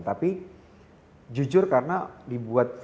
tapi jujur karena dibuat dengan kebenaran